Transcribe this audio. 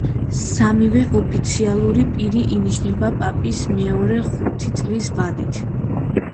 სამივე ოფიციალური პირი ინიშნება პაპის მიერ ხუთი წლის ვადით.